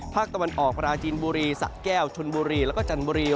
ภาคตะวันออกปราจีนบุรีสะแก้วชนบุรีแล้วก็จันทบุรี